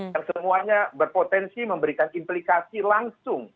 yang semuanya berpotensi memberikan implikasi langsung